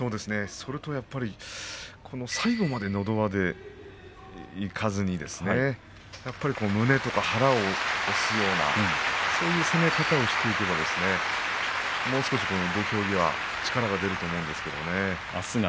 それと最後までのど輪でいかずに胸とか腹を押すようなそういう攻め方をしていけばもう少し土俵際力が出ると思います。